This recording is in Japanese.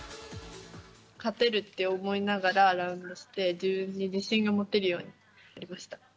勝てるって思いながらラウンドして、自分に自信が持てるようにやりました。